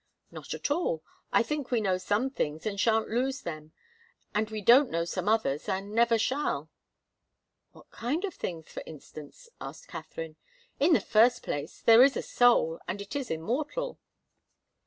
"Not at all. I think we know some things and shan't lose them, and we don't know some others and never shall." "What kind of things, for instance?" asked Katharine. "In the first place, there is a soul, and it is immortal."